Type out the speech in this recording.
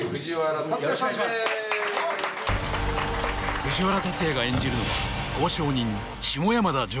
藤原竜也が演じるのは交渉人下山田譲